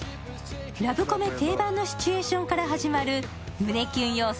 ラブコメ定番のシチュエーションから始まる胸キュン要素